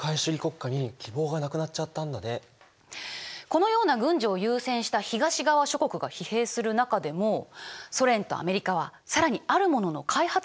このような軍需を優先した東側諸国が疲弊する中でもソ連とアメリカは更にあるものの開発